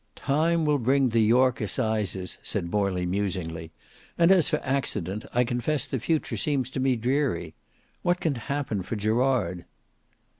"Time will bring the York Assizes," said Morley musingly; "and as for accident I confess the future seems to me dreary. What can happen for Gerard?"